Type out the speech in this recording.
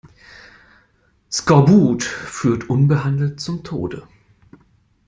Skorbut führt unbehandelt zum Tode.